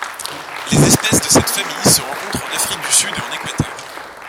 Les espèces de cette famille se rencontrent en Afrique du Sud et en Équateur.